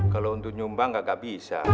kalau untuk nyumbang nggak bisa